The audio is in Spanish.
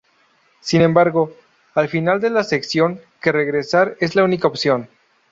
Sin embargo, al final de la sección que regresar es la única opción.